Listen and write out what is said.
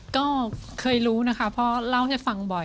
ก็เคยรู้นะคะเพราะเล่าให้ฟังบ่อย